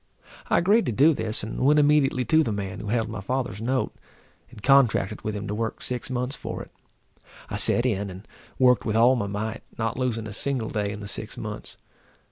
I agreed to do this, and went immediately to the man who held my father's note, and contracted with him to work six months for it. I set in, and worked with all my might, not losing a single day in the six months.